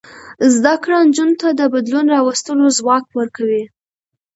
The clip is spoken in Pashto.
زده کړه نجونو ته د بدلون راوستلو ځواک ورکوي.